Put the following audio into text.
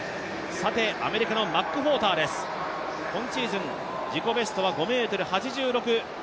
アメリカのマックフォーターです、今シーズン自己ベストは５ｍ８６。